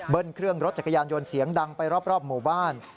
เครื่องรถจักรยานยนต์เสียงดังไปรอบหมู่บ้าน